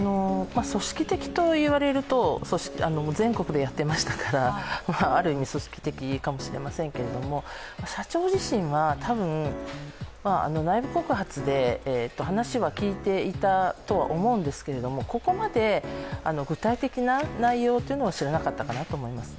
組織的といわれると、全国でやってましたから、ある意味、組織的かもしれませんけれども、社長自身は多分、内部告発で話は聞いていたとは思うんですけれども、ここまで具体的な内容というのは知らなかったかなと思います。